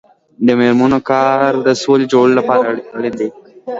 د میرمنو کار د سولې جوړولو لپاره اړین دی.